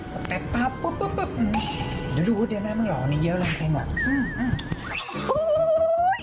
เดี๋ยวเดี๋ยวหน้ามันหล่อนี่เยี่ยวลองใส่หน่อย